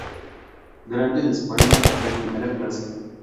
Grande de España de primera clase.